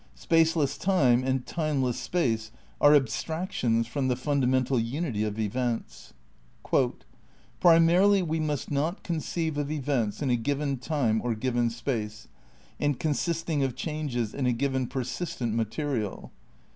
Space less time and timeless space are ahstractions from the fundamental unity of events. "Primarily we must not conceive of events in a given Time or given Space, and consisting of changes in a given persistent ma terial.